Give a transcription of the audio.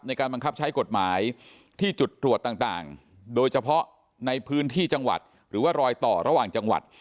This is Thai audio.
บังคับใช้กฎหมายที่จุดตรวจต่างโดยเฉพาะในพื้นที่จังหวัดหรือว่ารอยต่อระหว่างจังหวัด